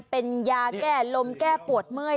เป็นยาแก้ลมแก้ปวดเมื่อย